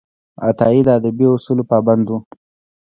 عطايي د ادبي اصولو پابند و.